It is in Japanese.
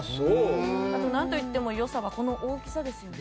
あと、なんといってもよさはこの大きさですよね。